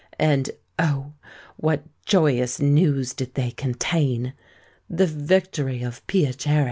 And, oh! what joyous news did they contain—the victory of Piacere!